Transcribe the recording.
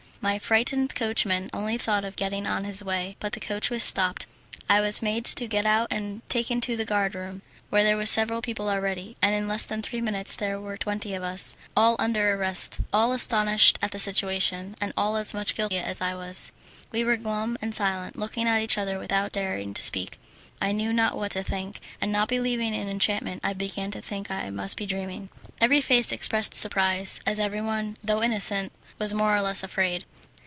My frightened coachman only thought of getting on his way, but the coach was stopped. I was made to get out and taken to the guard room, where there were several people already, and in less than three minutes there were twenty of us, all under arrest, all astonished at the situation, and all as much guilty as I was. We sat glum and silent, looking at each other without daring to speak. I knew not what to think, and not believing in enchantment I began to think I must be dreaming. Every face expressed surprise, as everyone, though innocent, was more or less afraid.